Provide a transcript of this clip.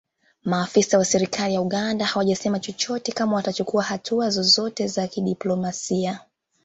Maafisa wa serikali ya Uganda hawajasema chochote kama watachukua hatua zozote za kidiplomasia